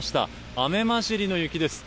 雨交じりの雪です。